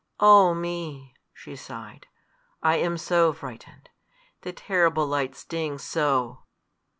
"Oh me!" she sighed; "I am so frightened! The terrible light stings so!"